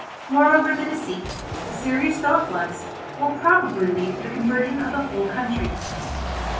Moreover the deceit, serious though it was, will probably lead to the conversion of the whole country.